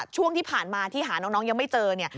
ช่วงที่ผ่านมาที่หาน้องยังไม่เจอเนี่ย